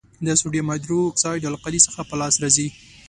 د سوډیم هایدرو اکسایډ القلي څخه په لاس راځي.